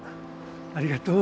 ありがとう。